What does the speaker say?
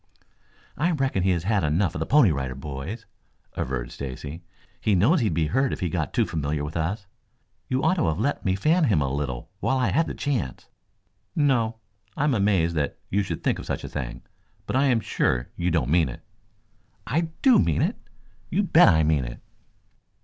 "I reckon he has had enough of the Pony Rider Boys," averred Stacy. "He knows he'd be hurt if he got too familiar with us. You ought to have let me fan him a little while I had the chance." "No. I am amazed that you should think of such a thing. But I am sure you don't mean it." "I do mean it. You bet I mean it."